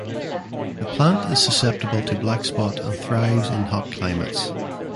The plant is susceptible to blackspot and thrives in hot climates.